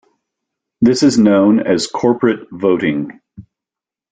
This is known as corporate voting.